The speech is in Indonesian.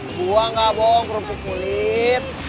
gue nggak bong kerupuk kulit